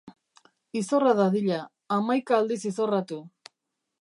Izorra dadila, hamaika aldiz izorratu.